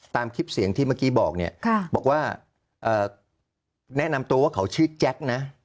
ตามคลิปเสียงที่เมื่อกี้บอกเนี่ยบอกว่าแนะนำตัวว่าเขาชื่อแจ๊คนะ